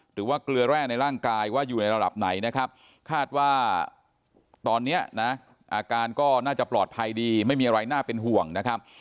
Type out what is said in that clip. เกลือแร่ในร่างกายว่าอยู่ในระดับไหนนะครับคาดว่าตอนนี้นะอาการก็น่าจะปลอดภัยดีไม่มีอะไรน่าเป็นห่วงนะครับ